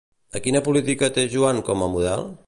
A quina política té Joan com a model?